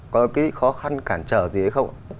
có cái khó khăn cản trở gì hay không ạ